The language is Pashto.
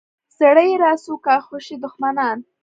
زړه یې راسو کا خوشي دښمنان.